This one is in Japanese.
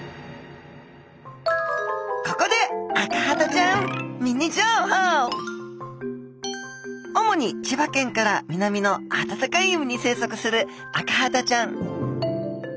ここで主に千葉県から南のあたたかい海に生息するアカハタちゃん。